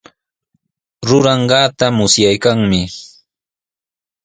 Ruranqaata musyaykanmi.